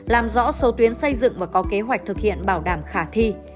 làm rõ số tuyến xây dựng và có kế hoạch thực hiện bảo đảm khả thi